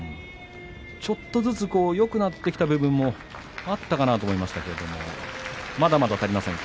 ちょっとずつよくなってきた部分はあったかなと思いましたけどまだまだ足りませんか？